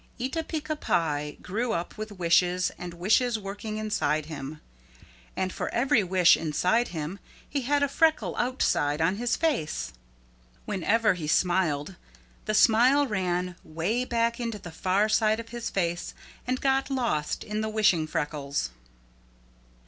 Eeta Peeca Pie grew up with wishes and wishes working inside him. And for every wish inside him he had a freckle outside on his face. Whenever he smiled the smile ran way back into the far side of his face and got lost in the wishing freckles.